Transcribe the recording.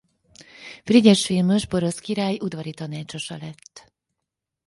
Frigyes Vilmos porosz király udvari tanácsosa lett.